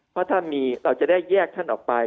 เพราะถ้ามีเราจะได้แยกท่านออกไป